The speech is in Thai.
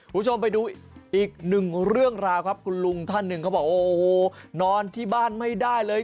คุณผู้ชมไปดูอีกหนึ่งเรื่องราวครับคุณลุงท่านหนึ่งเขาบอกโอ้โหนอนที่บ้านไม่ได้เลย